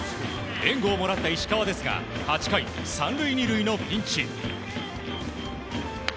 援護をもらった石川ですが８回３塁２塁のピンチ。